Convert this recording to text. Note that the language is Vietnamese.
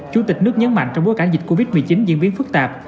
chủ tịch nước nhấn mạnh trong bối cảnh dịch covid một mươi chín diễn biến phức tạp